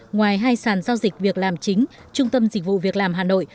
ngoài hai sàn giao dịch việc làm chính trung tâm dịch vụ việc làm hà nội